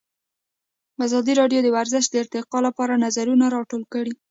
ازادي راډیو د ورزش د ارتقا لپاره نظرونه راټول کړي.